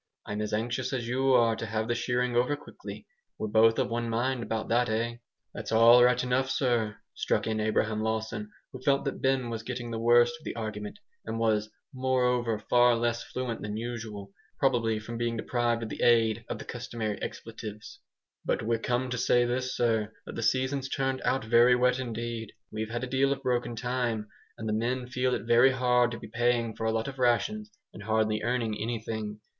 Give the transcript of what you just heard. I'm as anxious as you are to have the shearing over quickly. We're both of one mind about that, eh?" "That's all right enough, sir," struck in Abraham Lawson, who felt that Ben was getting the worst of the argument, and was moreover far less fluent than usual, probably from being deprived of the aid of the customary expletives, "but we're come to say this, sir, that the season's turned out very wet indeed. We've had a deal of broken time, and the men feel it very hard to be paying for a lot of rations, and hardly earning anything.